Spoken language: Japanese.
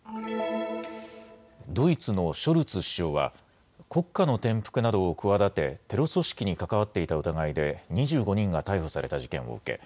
ドイツのショルツ首相は国家の転覆などを企てテロ組織に関わっていた疑いで２５人が逮捕された事件を受け